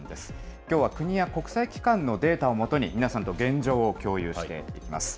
きょうは国や国際機関のデータを基に、皆さんと現状を共有していきます。